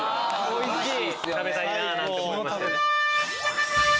おいしい！